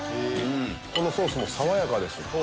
このソースも爽やかです